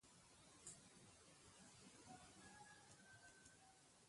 Sôn, tɛ̀gɛs nyǔ ɔ̀ kê-beglɛ mɛ̀ màbwalo mɔ̄ŋ i Njɛɛ̄-Kōlo.